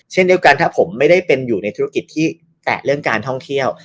เช่นเดียวกันถ้าผมไม่ได้เป็นอยู่ในธุรกิจที่แตะเรื่องการท่องเที่ยว